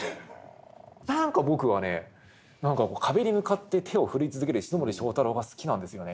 何か僕はね何か壁に向かって手を振り続ける石森章太郎が好きなんですよね。